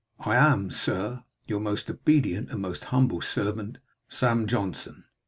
I am, Sir, Your most obedient And most humble servant, SAM. JOHNSON.